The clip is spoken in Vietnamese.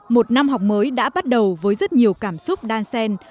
một năm học mới đã bắt đầu với rất nhiều cảm xúc đan sen